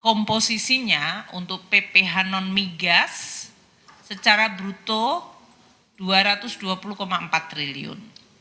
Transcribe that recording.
komposisinya untuk pph non migas secara bruto rp dua ratus dua puluh empat triliun